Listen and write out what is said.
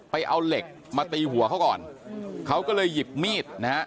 เอาเหล็กมาตีหัวเขาก่อนเขาก็เลยหยิบมีดนะฮะ